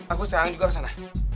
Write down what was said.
aku sekarang juga ke sana